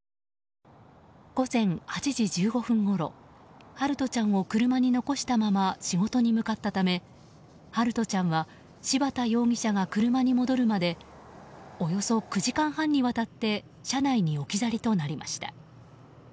午前８時１５分ごろ陽翔ちゃんを車に残したまま仕事に向かったため陽翔ちゃんは柴田容疑者が車に戻るためおよそ９時間半にわたって車内に置き去りとなりました。